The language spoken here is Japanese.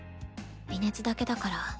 微熱だけだから。